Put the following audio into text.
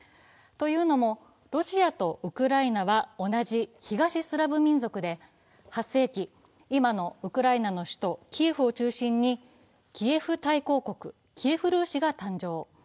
というのも、ロシアとウクライナは同じ東スラブ民族で８世紀、今のウクライナの首都キエフを中心にキエフ大国＝キエフ・ルーシが誕生。